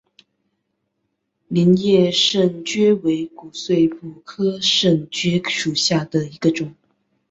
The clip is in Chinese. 镰叶肾蕨为骨碎补科肾蕨属下的一个种。